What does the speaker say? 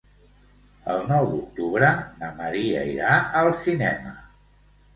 El nou d'octubre na Maria irà al cinema.